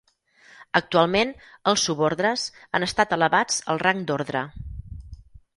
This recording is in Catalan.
Actualment, els subordres han estat elevats al rang d'ordre.